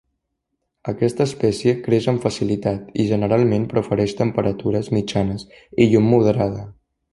Aquesta espècie creix amb facilitat i generalment prefereix temperatures mitjanes i llum moderada.